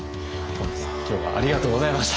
本当に今日はありがとうございました。